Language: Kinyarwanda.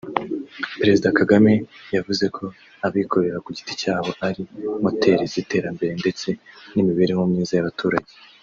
Perezida Kagame yavuze ko abikorera ku giti cyabo ari moteri z’iterambere ndetse n’imibereho myiza y’abaturage